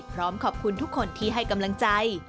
พร้อมขอบคุณทุกคนที่ให้กำลังใจ